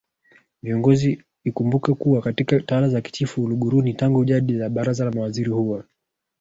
ViongoziIkumbukwe kuwa katika tawala za Kichifu Uluguruni tangu jadi Baraza la Mawaziri huwa